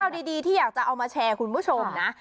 ดีที่อยากจะเอามาแชร์คุณผู้ชมนะ